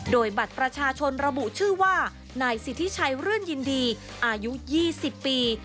โดยบัตรประชาชนระบุชื่อว่านายสิทธิชัยรื่นยินดีอายุ๒๐ปี